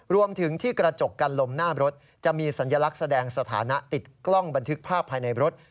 รวมถึงที่กระจกกันลมหน้ารถจะมีสัญลักษณ์แสดงสถานะติดกล้องบันทึกภาพภายในรถ